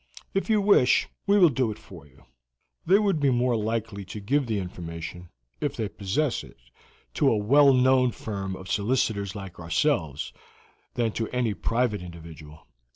If you wish, we will do it for you. They would be more likely to give the information, if they possess it, to a well known firm of solicitors like ourselves than to any private individual.